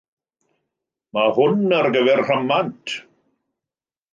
Mae hwn ar gyfer rhamant ...!